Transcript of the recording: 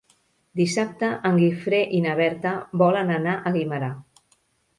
Dissabte en Guifré i na Berta volen anar a Guimerà.